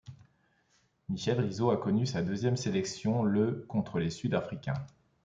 Michele Rizzo a connu sa deuxième sélection le contre les Sud-africains.